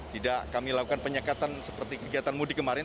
tidak kami lakukan penyekatan seperti kegiatan mudik kemarin